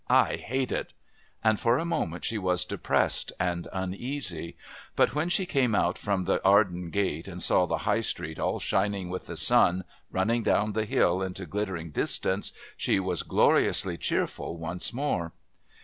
I hate it," and for a moment she was depressed and uneasy; but when she came out from the Arden Gate and saw the High Street all shining with the sun, running down the hill into glittering distance, she was gloriously cheerful once more.